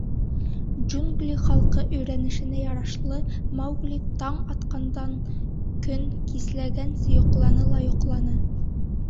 Джунгли халҡы өйрәнешенә ярашлы, Маугли таң атҡандан көн кисләгәнсе йоҡланы ла йоҡланы.